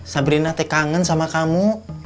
sabrina tek kangen sama kamu